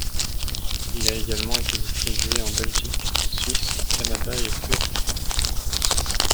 Il a également été distribué en Belgique, en Suisse, au Canada et au Pérou.